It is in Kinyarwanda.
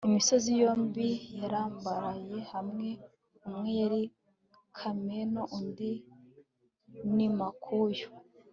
imisozi yombi yarambaraye hamwe. umwe yari kameno, undi ni makuyu